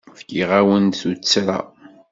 Fkiɣ-awen-d tuttra.